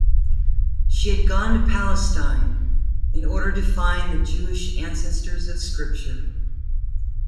She had gone to Palestine "in order to find the Jewish ancestors of Scripture".